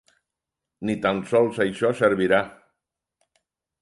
Ni tan sols això servirà.